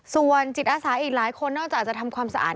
ส่วนจิตอาสาอีกหลายคนนอกจากจะทำความสะอาด